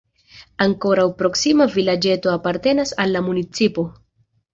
Ankoraŭ proksima vilaĝeto apartenas al la municipo.